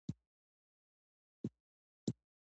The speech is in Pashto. روي له روا څخه راغلی او رسۍ ته وايي.